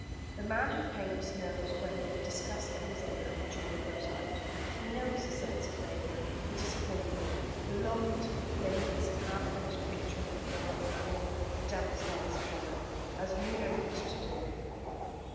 The man who paints knows when the disgust comes in and the joy goes out. He knows the sense of failure, the disappointment, the longing to fling his half finished picture on the floor and perform the devil's dance upon it, as Müller used to do."